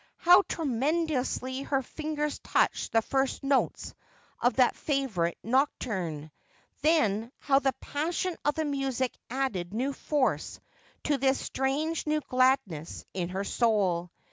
How tremulously her fingers touched the first notes of that favourite nocturn !— then how the passion of the music added new force to this strange new gladness in her own soul